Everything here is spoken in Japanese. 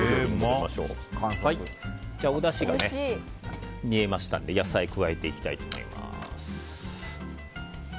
おだしが煮えましたので野菜を加えていきたいと思います。